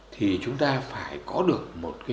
thì chúng ta phải có được một khó khăn